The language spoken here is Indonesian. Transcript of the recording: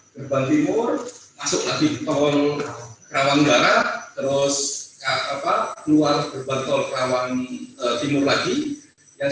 berbentuk murah masuk lagi tolong rawang barat terus apa luar berbentuk rawang timur lagi yang